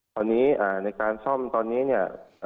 คราวนี้ในการซ่อมตอนนี้เนี่ย